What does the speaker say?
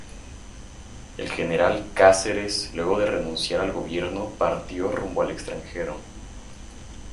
El general Cáceres, luego de renunciar al gobierno, partió rumbo al extranjero.